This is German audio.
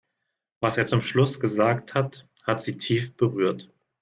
Was er zum Schluss gesagt hat, hat sie tief berührt.